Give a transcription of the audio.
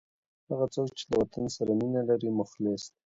هغه څوک چي له وطن سره مینه لري، مخلص دی.